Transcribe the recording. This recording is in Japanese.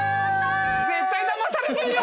絶対だまされてるよ！